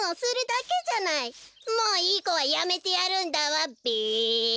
もういいこはやめてやるんだわべ！